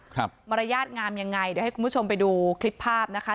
มารยาทงามยังไงเดี๋ยวให้คุณผู้ชมไปดูคลิปภาพนะคะ